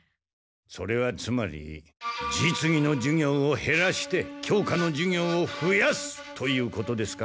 それはつまり実技の授業をへらして教科の授業をふやすということですか？